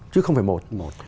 chứ không phải một